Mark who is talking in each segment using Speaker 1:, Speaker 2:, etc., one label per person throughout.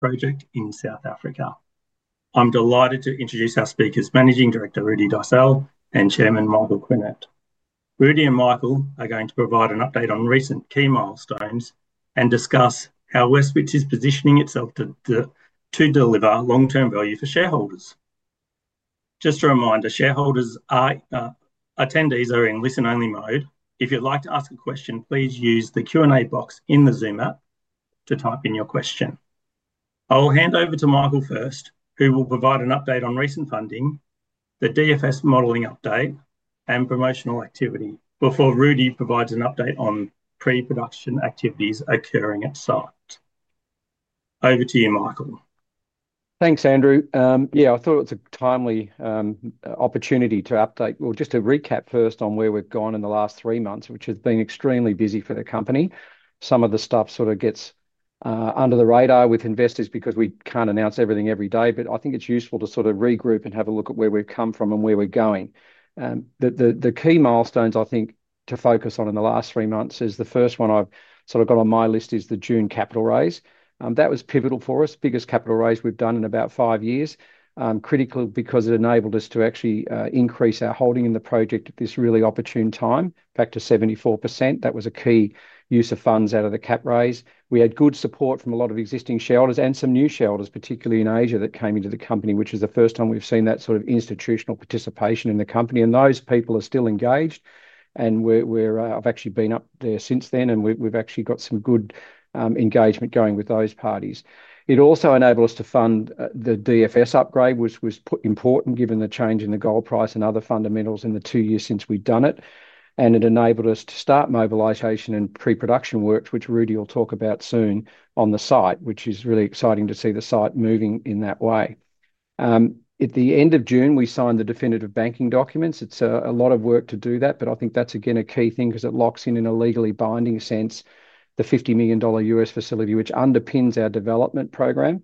Speaker 1: Project in South Africa. I'm delighted to introduce our speakers, Managing Director Rudi Deysel and Chairman Michael Quinert. Rudi and Michael are going to provide an update on recent key milestones and discuss how West Wits is positioning itself to deliver long-term value for shareholders. Just a reminder, shareholders' attendees are in listen-only mode. If you'd like to ask a question, please use the Q&A box in the Zoom app to type in your question. I'll hand over to Michael first, who will provide an update on recent funding, the DFS modeling update, and promotional activity before Rudi provides an update on pre-production activities occurring at site. Over to you, Michael.
Speaker 2: Thanks, Andrew. I thought it was a timely opportunity to update. Just to recap first on where we've gone in the last three months, which has been extremely busy for the company. Some of the stuff sort of gets under the radar with investors because we can't announce everything every day, but I think it's useful to regroup and have a look at where we've come from and where we're going. The key milestones I think to focus on in the last three months is the first one I've got on my list, the June capital raise. That was pivotal for us, biggest capital raise we've done in about five years. Critical because it enabled us to actually increase our holding in the project at this really opportune time, back to 74%. That was a key use of funds out of the cap raise. We had good support from a lot of existing shareholders and some new shareholders, particularly in Asia, that came into the company, which is the first time we've seen that sort of institutional participation in the company. Those people are still engaged. I've actually been up there since then, and we've actually got some good engagement going with those parties. It also enabled us to fund the DFS upgrade, which was important given the change in the gold price and other fundamentals in the two years since we'd done it. It enabled us to start mobilisation and pre-production works, which Rudi will talk about soon on the site, which is really exciting to see the site moving in that way. At the end of June, we signed the definitive banking documents. It's a lot of work to do that, but I think that's again a key thing because it locks in in a legally binding sense the $50 million U.S. facility, which underpins our development program.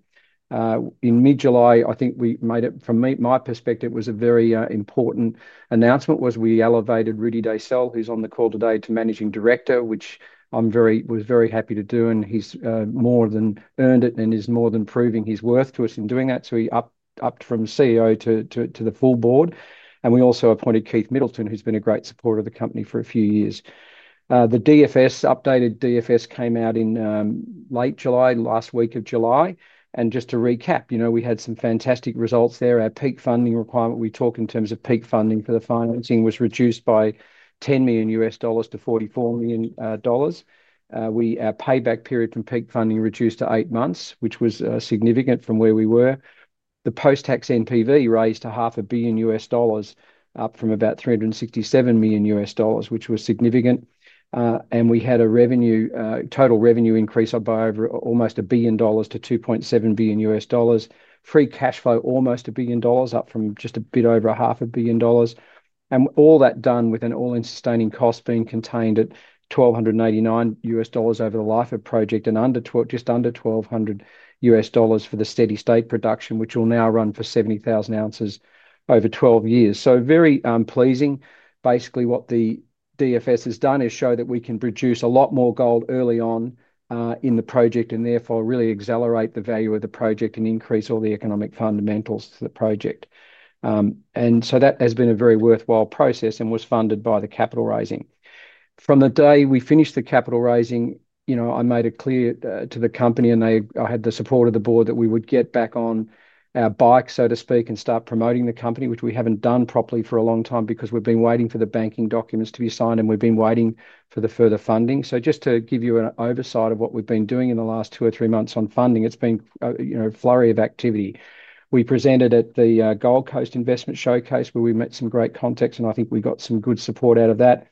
Speaker 2: In mid-July, I think we made it, from my perspective, it was a very important announcement, we elevated Rudi Deysel, who's on the call today, to Managing Director, which I was very happy to do. He's more than earned it and is more than proving his worth to us in doing that. He upped from CEO to the full board. We also appointed Keith Middleton, who's been a great supporter of the company for a few years. The updated DFS came out in late July, the last week of July. Just to recap, we had some fantastic results there. Our peak funding requirement, we talk in terms of peak funding for the financing, was reduced by $10 million to $44 million. Our payback period from peak funding reduced to eight months, which was significant from where we were. The post-tax NPV raised to $500 million, up from about $367 million, which was significant. We had a total revenue increase up by over almost $1 billion to $2.7 billion. Free cash flow, almost $1 billion, up from just a bit over $500 million. All that done with an all-in sustaining cost being contained at $1,299 over the life of the project and just under $1,200 for the steady-state production, which will now run for 70,000 ounces over 12 years. Very pleasing. Basically, what the DFS has done is show that we can produce a lot more gold early on in the project and therefore really accelerate the value of the project and increase all the economic fundamentals to the project. That has been a very worthwhile process and was funded by the capital raising. From the day we finished the capital raising, I made it clear to the company and I had the support of the board that we would get back on our bike, so to speak, and start promoting the company, which we haven't done properly for a long time because we've been waiting for the banking documents to be signed and we've been waiting for the further funding. Just to give you an oversight of what we've been doing in the last two or three months on funding, it's been a flurry of activity. We presented at the Gold Coast Investment Showcase where we met some great contacts and I think we got some good support out of that.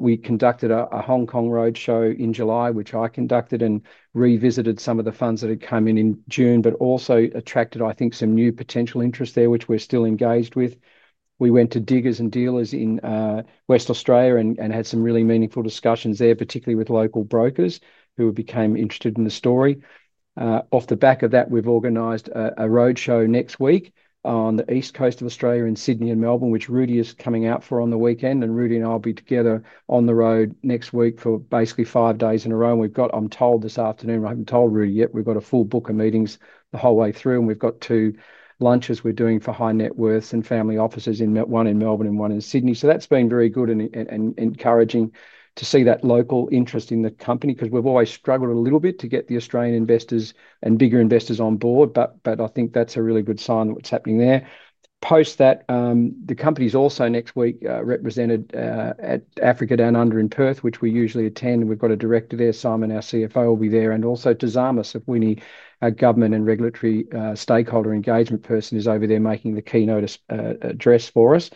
Speaker 2: We conducted a Hong Kong roadshow in July, which I conducted and revisited some of the funds that had come in in June, but also attracted, I think, some new potential interest there, which we're still engaged with. We went to Diggers & Dealers in West Australia and had some really meaningful discussions there, particularly with local brokers who became interested in the story. Off the back of that, we've organized a roadshow next week on the East Coast of Australia in Sydney and Melbourne, which Rudi is coming out for on the weekend. Rudi and I will be together on the road next week for basically five days in a row. We've got, I'm told this afternoon, I haven't told Rudi yet, we've got a full book of meetings the whole way through and we've got two lunches we're doing for high net worth and family offices, one in Melbourne and one in Sydney. That's been very good and encouraging to see that local interest in the company because we've always struggled a little bit to get the Australian investors and bigger investors on board. I think that's a really good sign of what's happening there. Post that, the company's also next week represented at Africa Down Under in Perth, which we usually attend. We've got a Director there, Simon, our CFO, will be there. Also, Tozama, a jgovernment and regulatory stakeholder engagement person, is over there making the keynote address for us.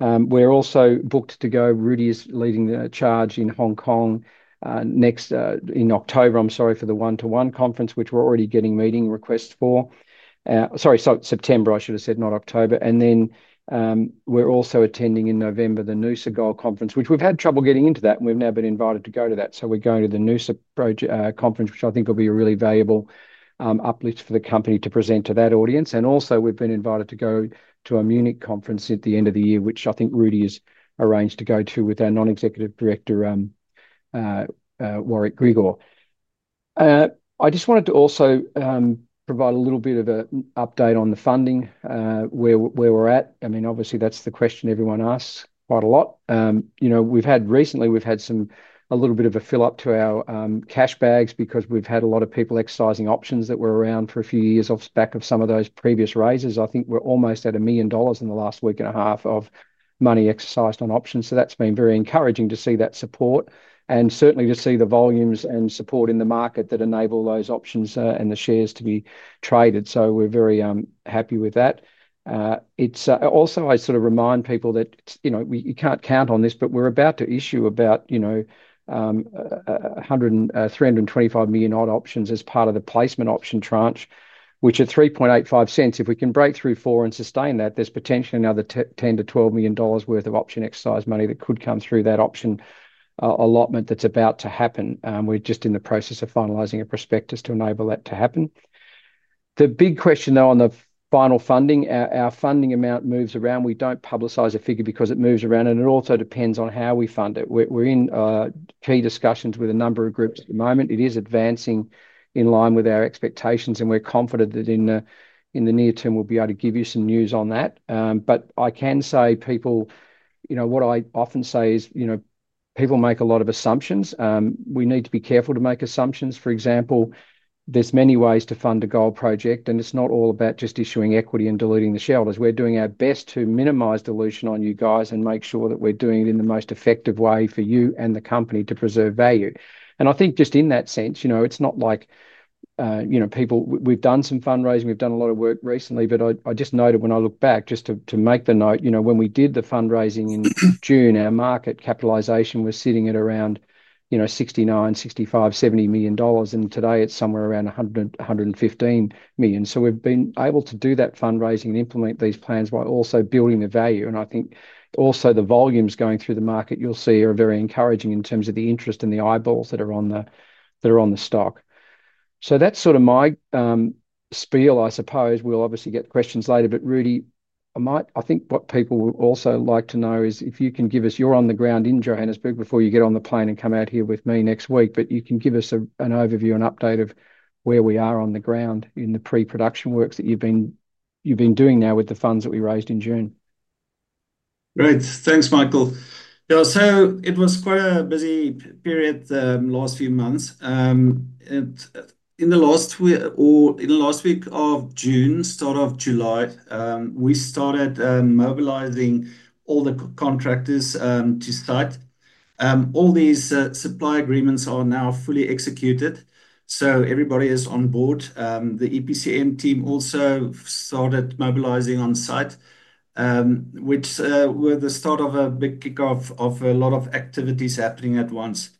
Speaker 2: We're also booked to go, Rudi is leading the charge in Hong Kong next in September for the one-to-one conference, which we're already getting meeting requests for. I should have said September, not October. We're also attending in November the Noosa Gold Conference, which we've had trouble getting into and we've now been invited to go to that. We're going to the Noosa Conference, which I think will be a really valuable uplift for the company to present to that audience. We've also been invited to go to a Munich conference at the end of the year, which I think Rudi has arranged to go to with our Non-Executive Director, Warwick Grigor. I just wanted to also provide a little bit of an update on the funding, where we're at. Obviously, that's the question everyone asks quite a lot. We've had recently, we've had a little bit of a fill-up to our cash bags because we've had a lot of people exercising options that were around for a few years off the back of some of those previous raises. I think we're almost at $1 million in the last week and a half of money exercised on options. That's been very encouraging to see that support and certainly to see the volumes and support in the market that enable those options and the shares to be traded. We're very happy with that. a. If we can break through $0.04 and sustain that, there's potentially another $10 million-$12 million worth of option exercise money that could come through that option allotment that's about to happen. We're just in the process of finalizing a prospectus to enable that to happen. The big question though on the final funding, our funding amount moves around. We don't publicize a figure because it moves around and it also depends on how we fund it. We're in key discussions with a number of groups at the moment. It is advancing in line with our expectations and we're confident that in the near term we'll be able to give you some news on that. I can say people, you know, what I often say is, you know, people make a lot of assumptions. We need to be careful to make assumptions. For example, there's many ways to fund a gold project and it's not all about just issuing equity and diluting the shareholders. We're doing our best to minimize dilution on you guys and make sure that we're doing it in the most effective way for you and the company to preserve value. I think just in that sense, you know, it's not like, you know, people, we've done some fundraising, we've done a lot of work recently. I just noted when I look back just to make the note, you know, when we did the fundraising in June, our market capitalization was sitting at around $69 million, $65 million, $70 million and today it's somewhere around $115 million. We've been able to do that fundraising and implement these plans while also building the value. I think also the volumes going through the market you'll see are very encouraging in terms of the interest and the eyeballs that are on the stock. That's sort of my spiel, I suppose. We'll obviously get questions later. Rudi, I think what people would also like to know is if you can give us, you're on the ground in Johannesburg before you get on the plane and come out here with me next week, but you can give us an overview, an update of where we are on the ground in the pre-production works that you've been doing now with the funds that we raised in June.
Speaker 3: Right, thanks Michael. Yeah, so it was quite a busy period the last few months. In the last week of June, start of July, we started mobilizing all the contractors to site. All these supply agreements are now fully executed. Everybody is on board. The EPCM team also started mobilizing on site, which was the start of a big kickoff of a lot of activities happening at once.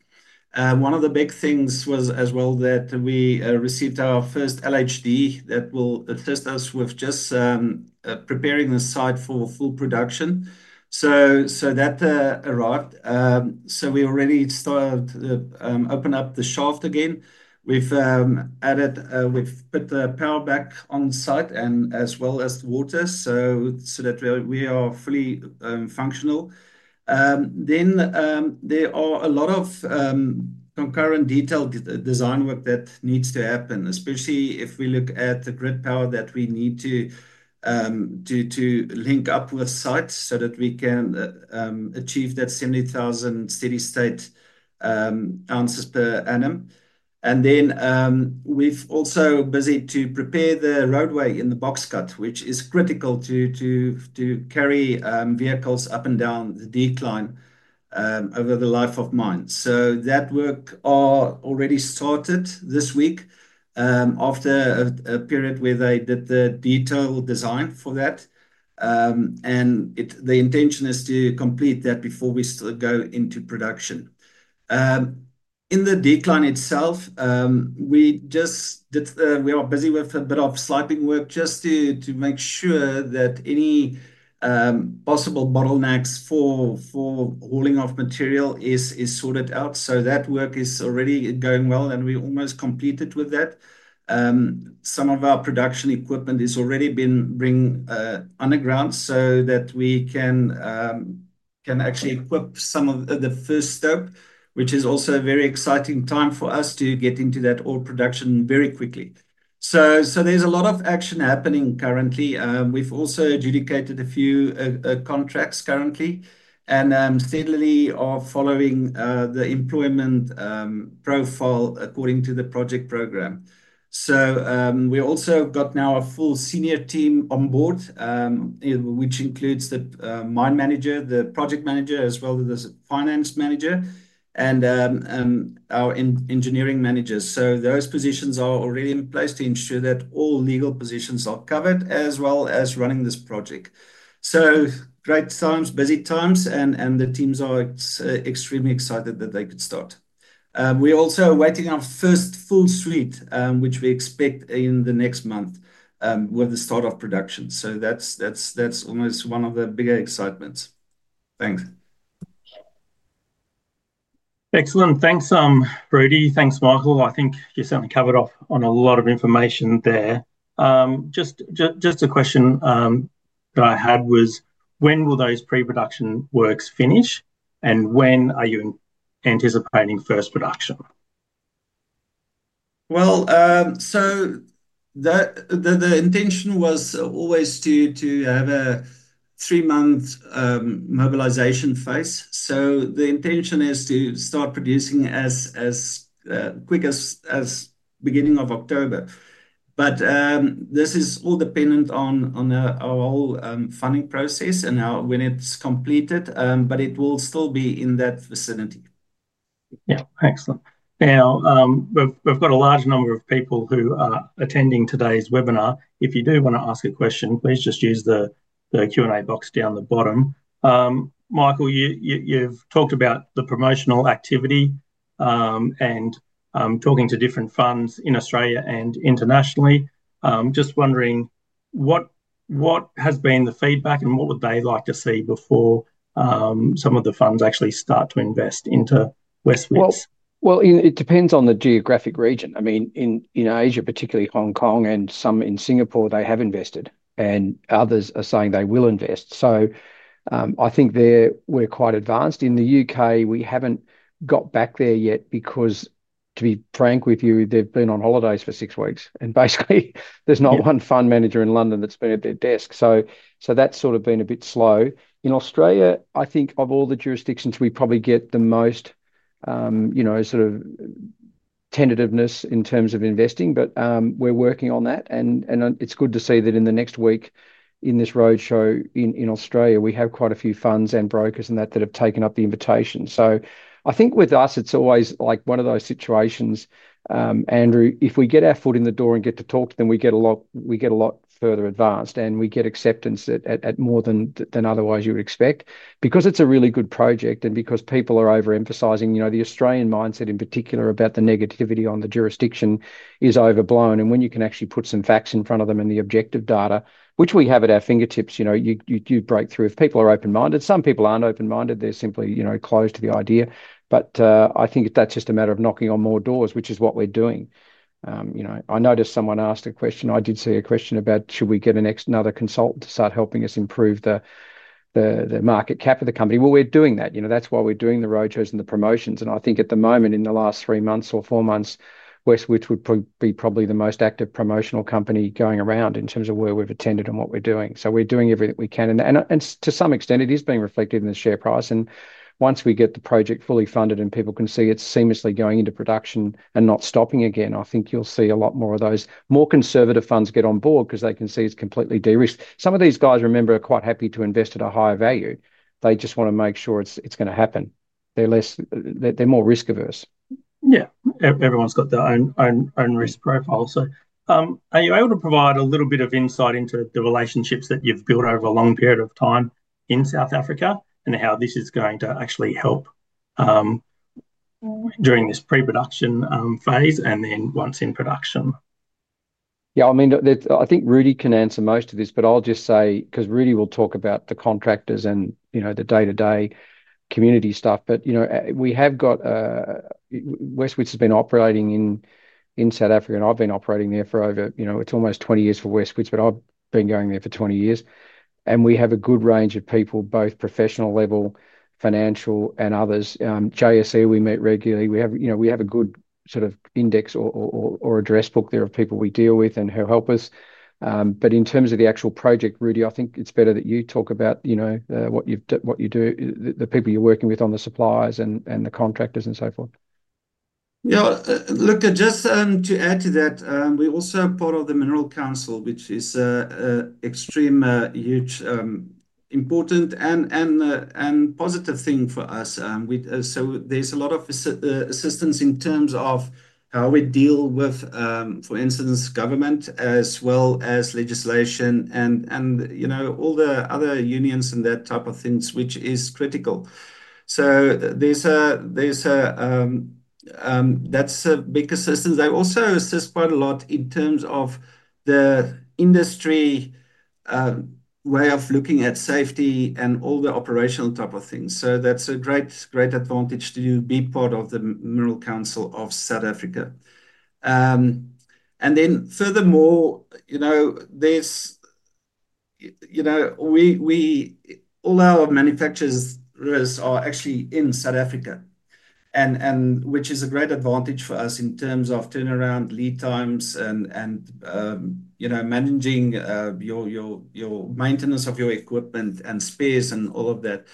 Speaker 3: One of the big things was as well that we received our first LHD that will assist us with just preparing the site for full production. That arrived. We already started to open up the shaft again. We've put the power back on site and as well as the water so that we are fully functional. There are a lot of concurrent detailed design work that needs to happen, especially if we look at the grid power that we need to link up with sites so that we can achieve that 70,000 steady-state ounces per annum. We've also been busy to prepare the roadway in the box cut, which is critical to carry vehicles up and down the decline over the life of mines. That work has already started this week after a period where they did the detailed design for that. The intention is to complete that before we go into production. In the decline itself, we are busy with a bit of siphoning work just to make sure that any possible bottlenecks for hauling off material are sorted out. That work is already going well and we're almost completed with that. Some of our production equipment has already been brought underground so that we can actually equip some of the first step, which is also a very exciting time for us to get into that all production very quickly. There's a lot of action happening currently. We've also adjudicated a few contracts currently and steadily are following the employment profile according to the project program. We also have now a full senior team on board, which includes the Mine Manager, the Project Manager, as well as the Finance Manager, and our Engineering Managers. Those positions are already in place to ensure that all legal positions are covered as well as running this project. Great times, busy times, and the teams are extremely excited that they could start. We're also awaiting our first full suite, which we expect in the next month with the start of production. That's almost one of the bigger excitements. Thanks. Excellent, thanks Rudi, thanks Michael. I think you certainly covered off on a lot of information there. Just a question that I had was when will those pre-production site works finish and when are you anticipating first production? The intention was always to have a three-month mobilisation phase. The intention is to start producing as quick as the beginning of October. This is all dependent on our whole funding process and when it's completed, but it will still be in that vicinity. Yeah, excellent. Now we've got a large number of people who are attending today's webinar. If you do want to ask a question, please just use the Q&A box down the bottom. Michael, you've talked about the promotional activity and talking to different funds in Australia and internationally. Just wondering, what has been the feedback and what would they like to see before some of the funds actually start to invest into West Wits?
Speaker 2: It depends on the geographic region. I mean, in Asia, particularly Hong Kong and some in Singapore, they have invested and others are saying they will invest. I think we're quite advanced. In the U.K., we haven't got back there yet because, to be frank with you, they've been on holidays for six weeks and basically there's not one fund manager in London that's been at their desk. That's sort of been a bit slow. In Australia, I think of all the jurisdictions, we probably get the most, you know, sort of tentativeness in terms of investing, but we're working on that. It's good to see that in the next week in this roadshow in Australia, we have quite a few funds and brokers in that that have taken up the invitation. I think with us, it's always like one of those situations, Andrew, if we get our foot in the door and get to talk to them, we get a lot further advanced and we get acceptance at more than otherwise you would expect because it's a really good project and because people are overemphasizing, you know, the Australian mindset in particular about the negativity on the jurisdiction is overblown. When you can actually put some facts in front of them and the objective data, which we have at our fingertips, you break through. If people are open-minded, some people aren't open-minded, they're simply, you know, closed to the idea. I think that's just a matter of knocking on more doors, which is what we're doing. I noticed someone asked a question, I did see a question about should we get another consultant to start helping us improve the market cap of the company. We're doing that, you know, that's why we're doing the roadshows and the promotions. I think at the moment in the last three months or four months, West Wits would be probably the most active promotional company going around in terms of where we've attended and what we're doing. We're doing everything we can. To some extent, it is being reflected in the share price. Once we get the project fully funded and people can see it's seamlessly going into production and not stopping again, I think you'll see a lot more of those more conservative funds get on board because they can see it's completely de-risked. Some of these guys, remember, are quite happy to invest at a higher value. They just want to make sure it's going to happen. They're more risk-averse. Yeah, everyone's got their own risk profile. Are you able to provide a little bit of insight into the relationships that you've built over a long period of time in South Africa and how this is going to actually help during this pre-production phase and then once in production? Yeah, I mean, I think Rudi can answer most of this, but I'll just say, because Rudi will talk about the contractors and the day-to-day community stuff. We have got, West Wits has been operating in South Africa and I've been operating there for over, it's almost 20 years for West Wits, but I've been going there for 20 years. We have a good range of people, both professional level, financial, and others. JSE, we meet regularly. We have a good sort of index or address book there of people we deal with and who help us. In terms of the actual project, Rudi, I think it's better that you talk about what you do, the people you're working with on the supplies and the contractors and so forth.
Speaker 3: Yeah. Look, just to add to that, we're also part of the Minerals Council, which is an extremely huge, important, and positive thing for us. There's a lot of assistance in terms of how we deal with, for instance, government as well as legislation and, you know, all the other unions and that type of things, which is critical. That's a big assistance. They also assist quite a lot in terms of the industry way of looking at safety and all the operational type of things. That's a great, great advantage to be part of the Minerals Council of South Africa. Furthermore, you know, all our manufacturers are actually in South Africa, which is a great advantage for us in terms of turnaround lead times and, you know, managing your maintenance of your equipment and space and all of that.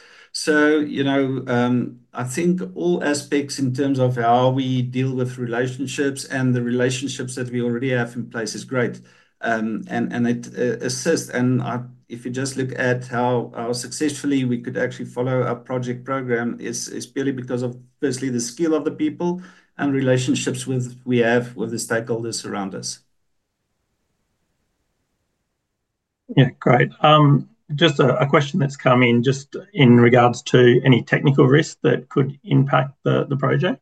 Speaker 3: I think all aspects in terms of how we deal with relationships and the relationships that we already have in place is great. It assists. If you just look at how successfully we could actually follow a project programme, it's purely because of basically the skill of the people and relationships we have with the stakeholders around us. Yeah. Great. Just a question that's coming just in regards to any technical risks that could impact the project?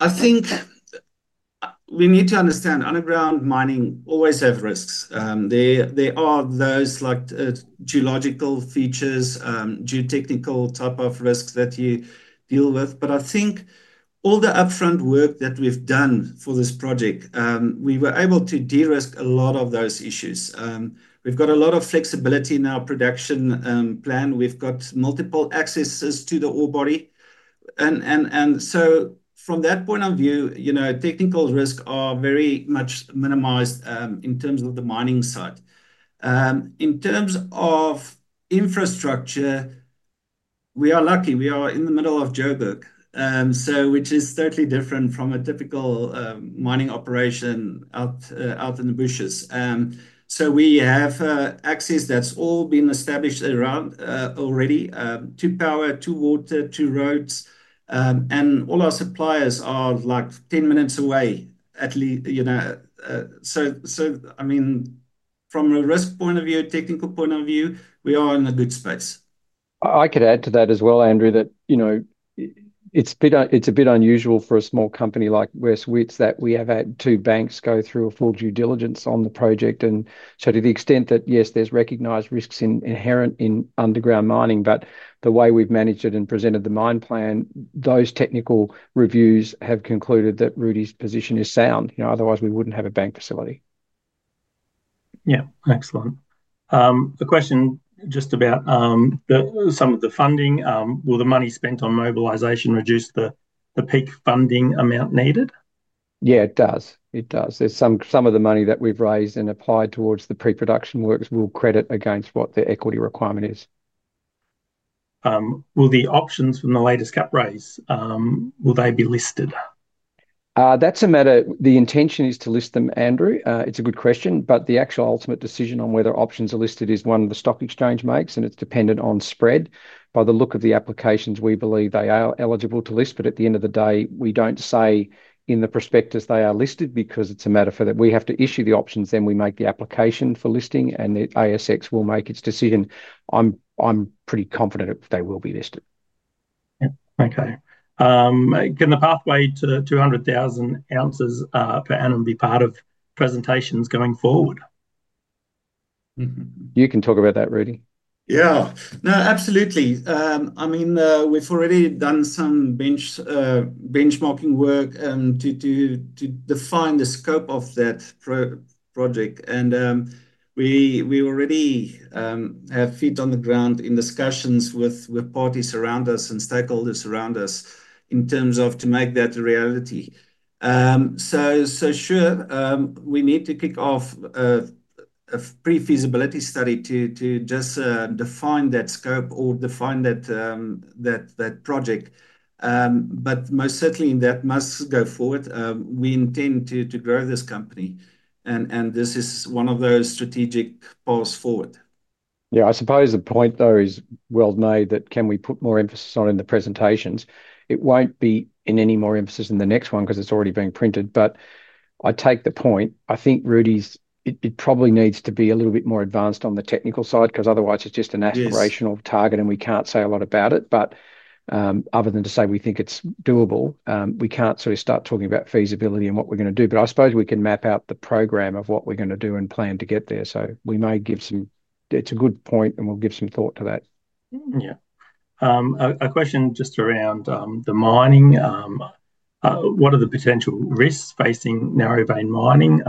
Speaker 3: I think we need to understand underground mining always has risks. There are those like geological features, geotechnical type of risks that you deal with. I think all the upfront work that we've done for this project, we were able to de-risk a lot of those issues. We've got a lot of flexibility in our production plan. We've got multiple accesses to the ore body. From that point of view, you know, technical risks are very much minimized in terms of the mining side. In terms of infrastructure, we are lucky. We are in the middle of Johannesburg, which is totally different from a typical mining operation out in the bushes. We have access that's all been established around already to power, to water, to roads. All our suppliers are like 10 minutes away at least. I mean, from a risk point of view, technical point of view, we are in a good space.
Speaker 2: I could add to that as well, Andrew, that you know, it's a bit unusual for a small company like West Wits that we have had two banks go through a full due diligence on the project. To the extent that yes, there's recognized risks inherent in underground mining, but the way we've managed it and presented the mine plan, those technical reviews have concluded that Rudi's position is sound. You know, otherwise we wouldn't have a bank facility. Yeah, excellent. A question just about some of the funding. Will the money spent on mobilisation reduce the peak funding amount needed? It does. There's some of the money that we've raised and applied towards the pre-production site works will credit against what the equity requirement is. Will the options from the latest cut raise, will they be listed? That's a matter. The intention is to list them, Andrew. It's a good question, but the actual ultimate decision on whether options are listed is one the stock exchange makes, and it's dependent on spread. By the look of the applications, we believe they are eligible to list, but at the end of the day, we don't say in the prospectus they are listed because it's a matter for that. We have to issue the options, then we make the application for listing, and the ASX will make its decision. I'm pretty confident they will be listed. Okay. Can the pathway to the 200,000 ounces per annum be part of presentations going forward? You can talk about that, Rudi.
Speaker 3: Absolutely. We've already done some benchmarking work to define the scope of that project, and we already have feet on the ground in discussions with parties around us and stakeholders around us to make that a reality. We need to kick off a pre-feasibility study to just define that scope or define that project, but most certainly, that must go forward. We intend to grow this company, and this is one of those strategic paths forward.
Speaker 2: Yeah, I suppose the point though is well made that can we put more emphasis on in the presentations? It won't be in any more emphasis in the next one because it's already being printed. I take the point. I think Rudi, it probably needs to be a little bit more advanced on the technical side because otherwise it's just an aspirational target and we can't say a lot about it. Other than to say we think it's doable, we can't sort of start talking about feasibility and what we're going to do. I suppose we can map out the program of what we're going to do and plan to get there. We may give some, it's a good point and we'll give some thought to that. Yeah. A question just around the mining. What are the potential risks facing narrow-vein mining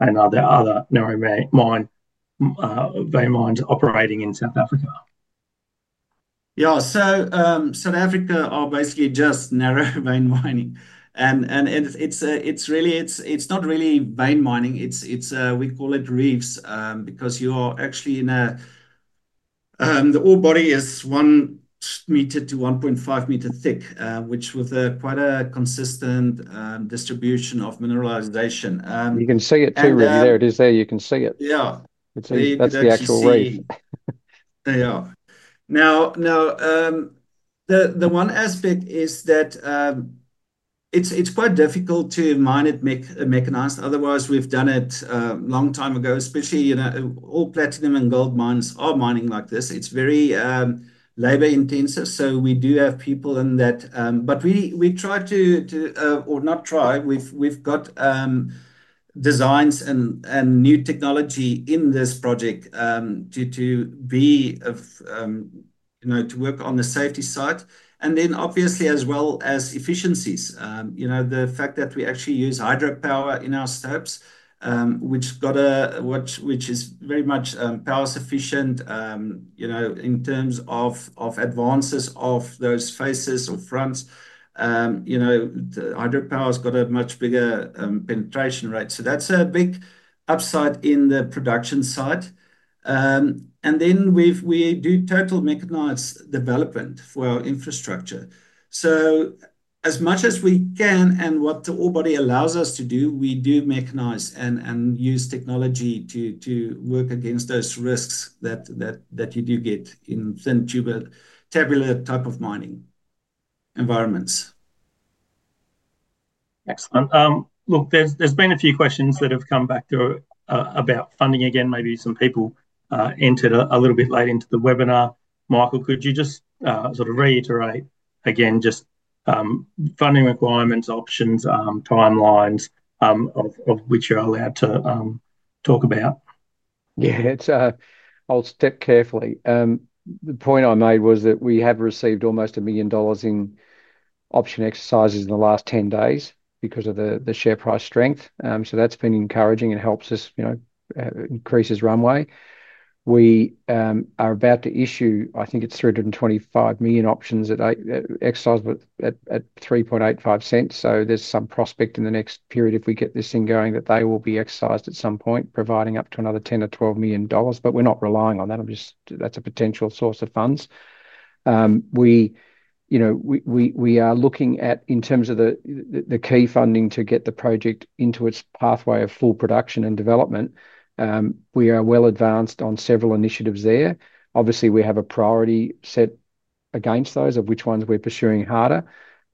Speaker 2: and are there other narrow-vein mines operating in South Africa?
Speaker 3: Yeah, South Africa are basically just narrow-reef mining. It's really, it's not really bay mining. We call it reefs because you're actually in a, the ore body is 1 m-1.5 m thick, which has quite a consistent distribution of mineralization.
Speaker 2: You can see it too, Rudi. There it is. You can see it.
Speaker 3: Yeah.
Speaker 2: That's the actual reef.
Speaker 3: Yeah. Now, the one aspect is that it's quite difficult to mine it mechanized. Otherwise, we've done it a long time ago, especially, you know, all platinum and gold mines are mining like this. It's very labor intensive. We do have people in that, but we try to, or not try, we've got designs and new technology in this project to be, you know, to work on the safety side. Obviously, as well as efficiencies, you know, the fact that we actually use hydropower in our stopes, which is very much power sufficient, you know, in terms of advances of those faces or fronts. Hydropower's got a much bigger penetration rate. That's a big upside in the production side. We do total mechanized development for our infrastructure. As much as we can and what the ore body allows us to do, we do mechanize and use technology to work against those risks that you do get in thin tube and tabular type of mining environments. Excellent. Look, there's been a few questions that have come back about funding again. Maybe some people entered a little bit late into the webinar. Michael, could you just sort of reiterate again, just funding requirements, options, timelines, of which you're allowed to talk about?
Speaker 2: Yeah, I'll step carefully. The point I made was that we have received almost $1 million in option exercises in the last 10 days because of the share price strength. That's been encouraging and helps us, you know, increase runway. We are about to issue, I think it's 325 million options that they exercise at $0.0385. There's some prospect in the next period if we get this thing going that they will be exercised at some point, providing up to another $10 million or $12 million. We're not relying on that. I'm just, that's a potential source of funds. We, you know, we are looking at, in terms of the key funding to get the project into its pathway of full production and development. We are well advanced on several initiatives there. Obviously, we have a priority set against those of which ones we're pursuing harder.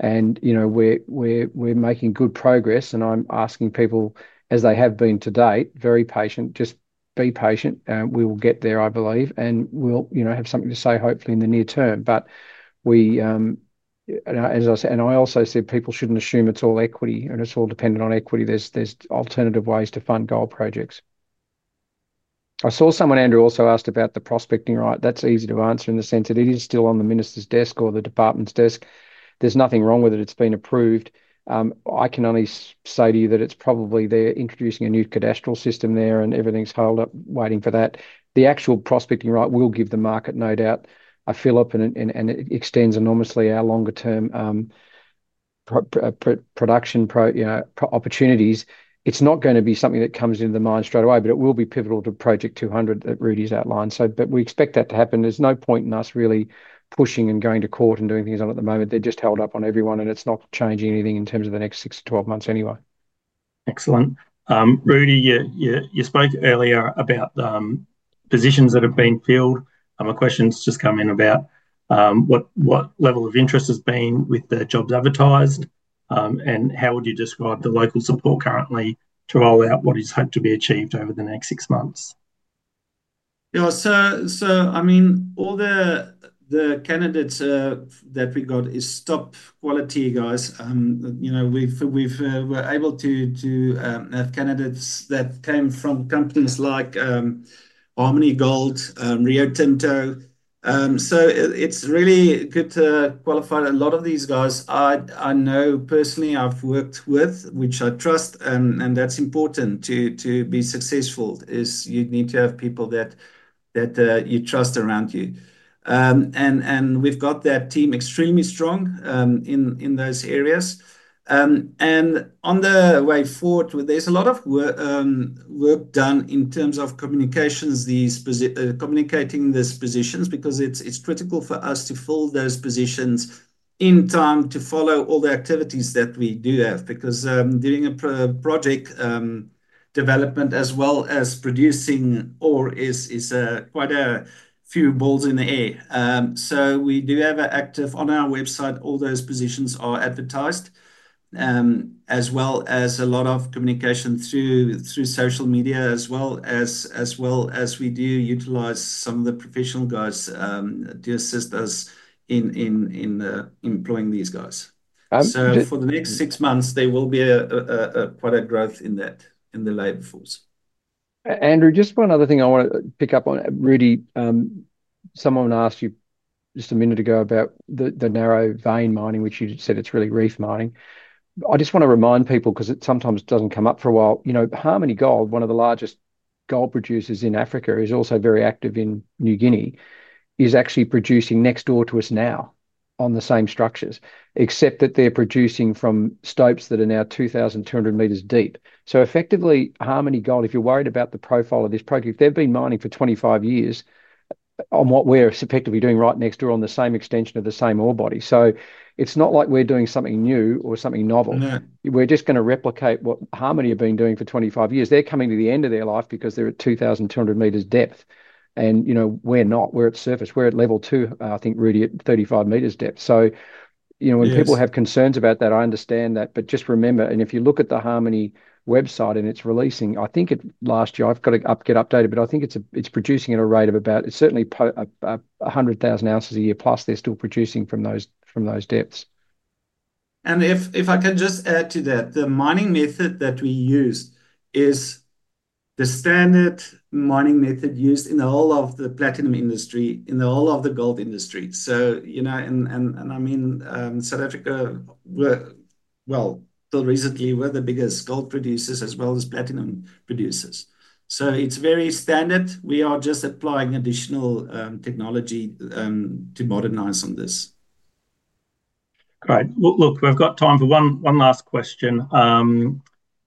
Speaker 2: You know, we're making good progress. I'm asking people, as they have been to date, very patient, just be patient. We will get there, I believe. We'll, you know, have something to say hopefully in the near term. As I said, and I also said people shouldn't assume it's all equity and it's all dependent on equity. There's alternative ways to fund gold projects. I saw someone, Andrew, also asked about the prospecting right. That's easy to answer in the sense that it is still on the minister's desk or the department's desk. There's nothing wrong with it. It's been approved. I can only say to you that it's probably they're introducing a new cadastral system there and everything's held up waiting for that. The actual prospecting right will give the market, no doubt, a fill-up and it extends enormously our longer-term production, you know, opportunities. It's not going to be something that comes into the mine straight away, but it will be pivotal to Project 200 that Rudi's outlined. We expect that to happen. There's no point in us really pushing and going to court and doing things on at the moment. They're just held up on everyone and it's not changing anything in terms of the next 6 to 12 months anyway. Excellent. Rudi, you spoke earlier about the positions that have been filled. My question just came in about what level of interest has been with the jobs advertised. How would you describe the local support currently to roll out what is hoped to be achieved over the next six months?
Speaker 3: Yeah, all the candidates that we got are top quality guys. We're able to have candidates that came from companies like Harmony Gold, Rio Tinto. It's really good to qualify a lot of these guys. I know personally I've worked with, which I trust, and that's important to be successful, you need to have people that you trust around you. We've got that team extremely strong in those areas. On the way forward, there's a lot of work done in terms of communications, communicating these positions because it's critical for us to fill those positions in time to follow all the activities that we do have because during a project development as well as producing ore, there's quite a few balls in the air. We do have an active on our website. All those positions are advertised as well as a lot of communication through social media. We do utilise some of the professional guys to assist us in employing these guys. For the next six months, there will be a product growth in that in the labor force.
Speaker 2: Andrew, just one other thing I want to pick up on. Rudi, someone asked you just a minute ago about the narrow vein mining, which you said it's really reef mining. I just want to remind people because it sometimes doesn't come up for a while. You know, Harmony Gold, one of the largest gold producers in Africa, is also very active in New Guinea, is actually producing next door to us now on the same structures, except that they're producing from stopes that are now 2,200 m deep. Effectively, Harmony Gold, if you're worried about the profile of this project, they've been mining for 25 years on what we're supposed to be doing right next door on the same extension of the same ore body. It's not like we're doing something new or something novel. We're just going to replicate what Harmony have been doing for 25 years. They're coming to the end of their life because they're at 2,200 m depth. You know, we're not, we're at surface, we're at level two, I think Rudi, at 35 m depth. When people have concerns about that, I understand that. Just remember, and if you look at the Harmony website and it's releasing, I think it last year, I've got to get updated, but I think it's producing at a rate of about, it's certainly 100,000 ounces a year plus, they're still producing from those depths.
Speaker 3: If I can just add to that, the mining method that we use is the standard mining method used in all of the platinum industry, in all of the gold industry. South Africa, till recently, were the biggest gold producers as well as platinum producers. It is very standard. We are just applying additional technology to modernize on this. Right. Look, we've got time for one last question.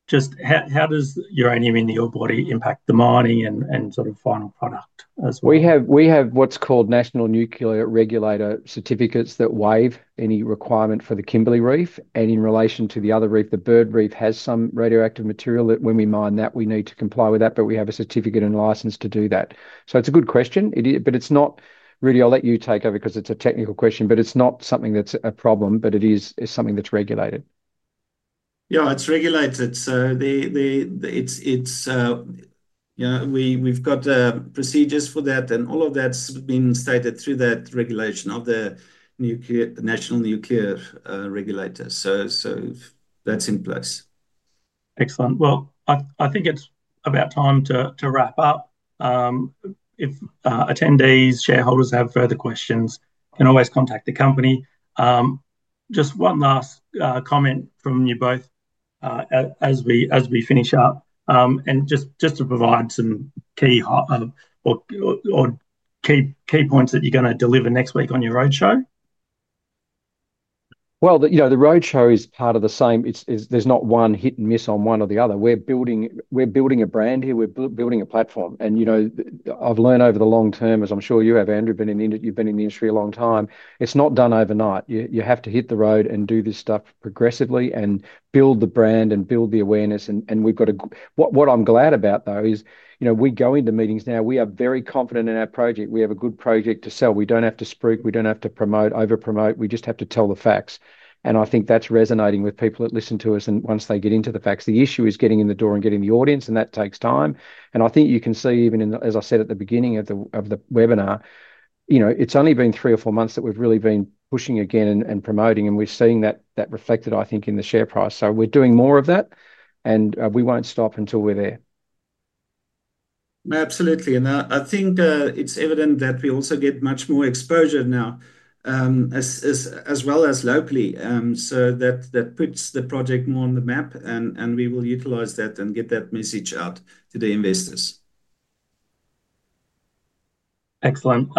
Speaker 3: Just how does uranium in the ore body impact the mining and sort of final product as well?
Speaker 2: We have what's called National Nuclear Regulator certificates that waive any requirement for the Kimberley Reef. In relation to the other reef, the Bird Reef has some radioactive material that when we mine that, we need to comply with that. We have a certificate and license to do that. It's a good question, it's not, Rudi, I'll let you take over because it's a technical question, it's not something that's a problem, it is something that's regulated.
Speaker 3: Yeah, it's regulated. We've got procedures for that, and all of that's been stated through that regulation of the National Nuclear Regulator. That's in place. Excellent. I think it's about time to wrap up. If attendees, shareholders have further questions, you can always contact the company. Just one last comment from you both as we finish up and just to provide some key points that you're going to deliver next week on your roadshow.
Speaker 2: The roadshow is part of the same. There's not one hit and miss on one or the other. We're building a brand here. We're building a platform. I've learned over the long term, as I'm sure you have, Andrew, you've been in the industry a long time. It's not done overnight. You have to hit the road and do this stuff progressively and build the brand and build the awareness. What I'm glad about though is, you know, we go into meetings now. We are very confident in our project. We have a good project to sell. We don't have to spruik. We don't have to promote, over-promote. We just have to tell the facts. I think that's resonating with people that listen to us. Once they get into the facts, the issue is getting in the door and getting the audience. That takes time. I think you can see even in, as I said at the beginning of the webinar, it's only been three or four months that we've really been pushing again and promoting. We're seeing that reflected, I think, in the share price. We're doing more of that. We won't stop until we're there.
Speaker 3: Absolutely. I think it's evident that we also get much more exposure now as well as locally. That puts the project more on the map, and we will utilise that and get that message out to the investors. Excellent.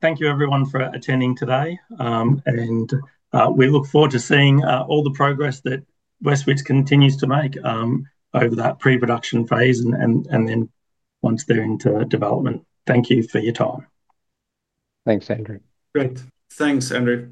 Speaker 3: Thank you everyone for attending today. We look forward to seeing all the progress that West Wits continues to make over that pre-production phase, and once they're into development. Thank you for your time.
Speaker 2: Thanks, Andrew. Great.
Speaker 3: Thanks, Andrew.